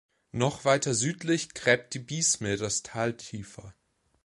Noch weiter südlich gräbt die Biesme das Tal tiefer.